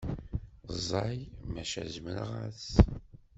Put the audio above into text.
Ẓẓay maca zemreɣ-as.